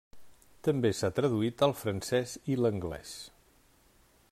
També s'ha traduït al francès i l'anglès.